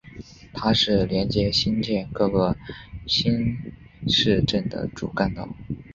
它是连接新界各个新市镇的主干道。